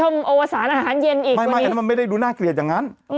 ไม่อันนั้นมันไม่ได้ดูน่าเกลียดอย่างนั้น